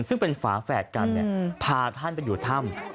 ซึ่งเป็นฝาแฝดกันเฃ้าพาท่านไปอยู่เหลือถ้ำ